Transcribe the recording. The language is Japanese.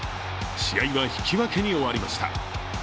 試合は引き分けに終わりました。